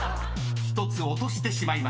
［１つ落としてしまいました］